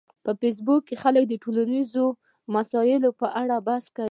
په فېسبوک کې خلک د ټولنیزو مسایلو په اړه بحث کوي